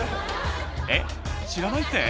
えっ知らないって？